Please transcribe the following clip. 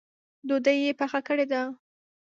ډوډۍ یې پخه کړې ده؟